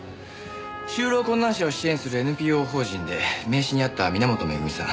就労困難者を支援するＮＰＯ法人で名刺にあった皆本恵美さん